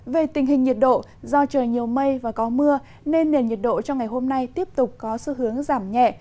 về tình hình nhiệt độ do trời nhiều mây và có mưa nên nền nhiệt độ trong ngày hôm nay tiếp tục có xu hướng giảm nhẹ